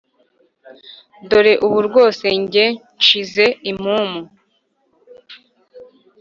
Dore ubu rwose ge nshize impumu